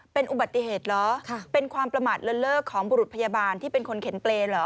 เป็นอุบัติเหตุเหรอเป็นความประมาทเลินเลิกของบุรุษพยาบาลที่เป็นคนเข็นเปรย์เหรอ